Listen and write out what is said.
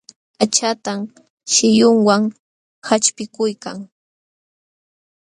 Aqchantan shillunwan qaćhpikuykan.